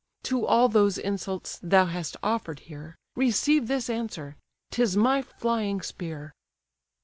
To all those insults thou hast offer'd here, Receive this answer: 'tis my flying spear."